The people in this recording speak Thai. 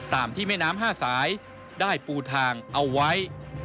ตามที่แม่น้ำ๕สายได้ปูทางเอาไว้